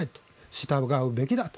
従うべきだと。